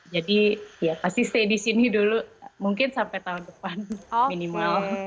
jadi ya pasti stay di sini dulu mungkin sampai tahun depan minimal